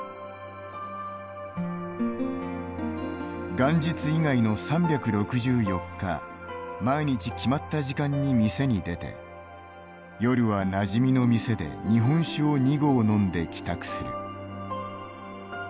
元日以外の３６４日毎日決まった時間に店に出て夜はなじみの店で日本酒を２合飲んで帰宅する。